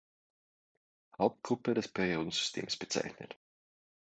Hauptgruppe des Periodensystems bezeichnet.